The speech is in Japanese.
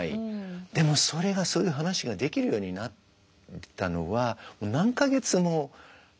でもそれがそういう話ができるようになったのは何か月もたってから。